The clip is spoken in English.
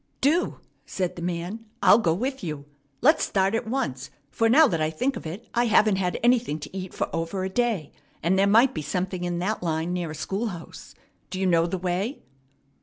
"Do!" said the man. "I'll go with you. Let's start at once; for, now that I think of it, I haven't had anything to eat for over a day, and there might be something in that line near a schoolhouse. Do you know the way?"